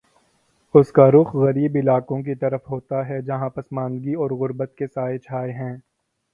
اس کا رخ غریب علاقوں کی طرف ہوتا ہے، جہاں پسماندگی اور غربت کے سائے چھائے ہیں۔